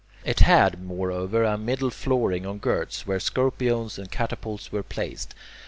It had, moreover, a middle flooring on girts, where scorpiones and catapults were placed.